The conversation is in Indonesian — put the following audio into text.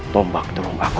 tombak terung aku